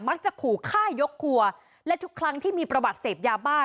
มักจะขู่ค่ายกครัวและทุกครั้งที่มีประบาดเสพยาบ้า